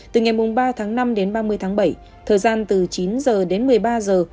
từ ngày ba tháng năm đến ba mươi tháng bảy thời gian từ chín giờ đến một mươi ba giờ